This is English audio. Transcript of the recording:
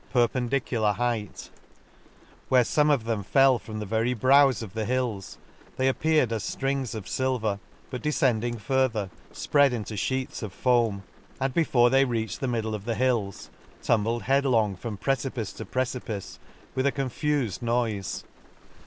An Excursion to pendicular height ;— where fome of them fell from the very brows of the hills, they appeared as firings of filver, but defend ing further fpread into fheets of foam, and, before they reached the middle of the hills, tumbled headlong from preci pice to precipice, with a confuted noite.